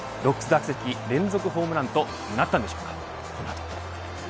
６打席連続ホームランとなったんでしょうか